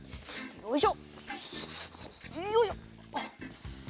よいしょ！